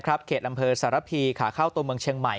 เขตอำเภอสารพีขาเข้าตัวเมืองเชียงใหม่